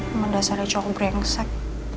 memandas ada cowok brengsek